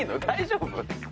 大丈夫？